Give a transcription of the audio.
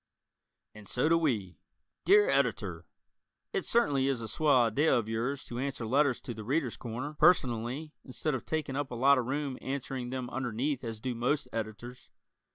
And So Do We Dear Editor: It certainly is a swell idea of yours to answer letters to "The Readers' Corner" personally instead of taking up a lot of room answering them underneath as do most Editors.